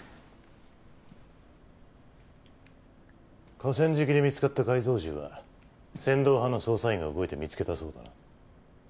河川敷で見つかった改造銃は千堂派の捜査員が動いて見つけたそうだな。